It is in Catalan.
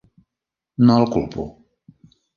No el culpo.